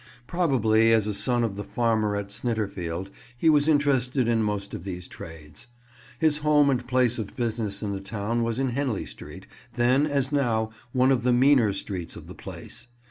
Probably, as a son of the farmer at Snitterfield, he was interested in most of these trades. His home and place of business in the town was in Henley Street, then, as now, one of the meaner streets of the place.